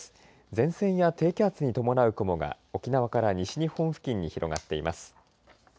前線や低気圧に伴う雲が沖縄から西日本付近に広がっています。